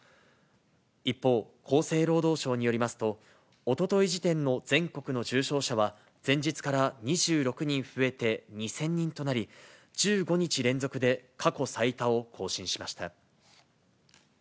一方、厚生労働省によりますと、おととい時点の全国の重症者は、前日から２６人増えて２０００人となり、１５日連続で過去最多を更新しました。